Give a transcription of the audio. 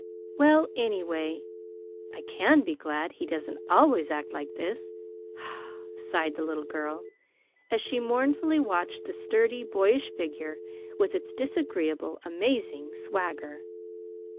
"Well, anyway, I can be glad he doesn't always act like this," sighed the little girl, as she mournfully watched the sturdy, boyish figure with its disagreeable, amazing swagger.